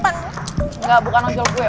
enggak bukan ojol gue